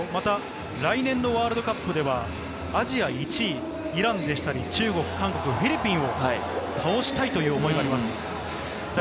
また、来年のワールドカップではアジア１位、イランでしたり、中国、韓国、フィリピンを倒したいという思いがあります。